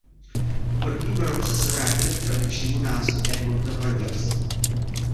Po prvním roce se vrátili k tradičnímu názvu Edmonton Oilers.